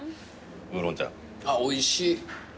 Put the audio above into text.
あっおいしい。